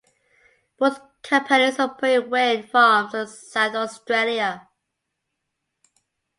Both companies operate wind farms in South Australia.